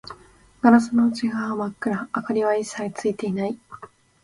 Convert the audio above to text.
ガラスの内側は真っ暗、明かりは一切ついていない